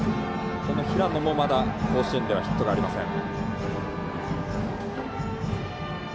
この平野もまだ甲子園ではヒットがありません。